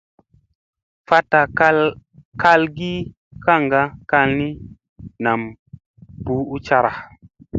Fatta kal ki kaŋga kal ni, nam buu ucara.